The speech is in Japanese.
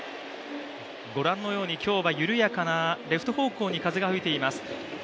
ご覧のように今日は緩やかなレフト方向に風が吹いています。